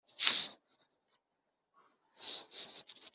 ya r wangamugayo